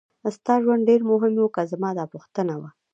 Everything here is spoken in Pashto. ستا ژوند ډېر مهم و که زما دا پوښتنه وه.